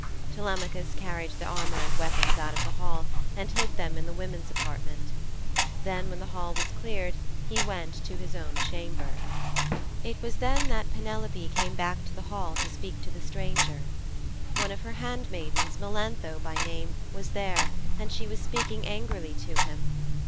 "' Telemachus carried the armour and weapons out of the hall and hid them in the women's apartment. Then when the hall was cleared he went to his own chamber. It was then that Penelope came back to the hall to speak to the stranger. One of her handmaidens, Melantho by name, was there, and she was speaking angrily to him.